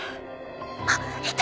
あっいた！